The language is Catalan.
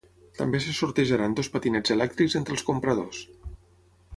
També se sortejaran dos patinets elèctrics entre els compradors.